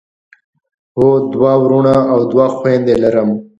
زه دوه وروڼه او دوه خویندی لرم.